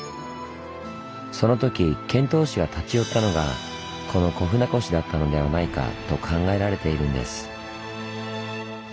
その時遣唐使が立ち寄ったのがこの小船越だったのではないかと考えられているんです。